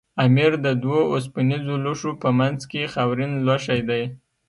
امیر د دوو اوسپنیزو لوښو په منځ کې خاورین لوښی دی.